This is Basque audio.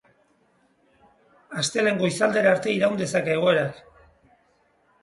Astelehen goizaldera arte iraun dezake egoerak.